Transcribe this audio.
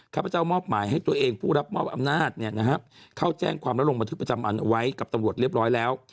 ข้าพเจ้ามอบหมายให้ตัวเองผู้รับมอบอำนาจเข้าแจ้งความและลงบันทึกประจำอันเอาไว้กับตำรวจเรียบร้อยแล้ว